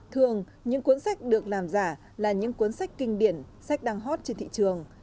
thường những cuốn sách được làm giả là những cuốn sách kinh điển sách đang hot trên thị trường